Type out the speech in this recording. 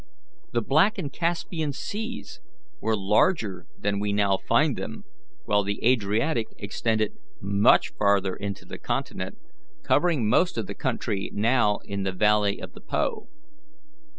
The Black and Caspian Seas were larger than we now find them; while the Adriatic extended much farther into the continent, covering most of the country now in the valley of the Po.